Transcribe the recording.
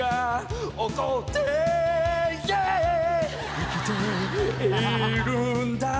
生きているんだ」